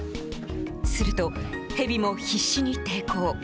すると、ヘビも必死に抵抗。